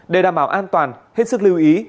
để đảm bảo an toàn hết sức lưu ý